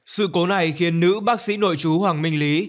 sự cố này khiến nữ bác sĩ nội chú hoàng minh lý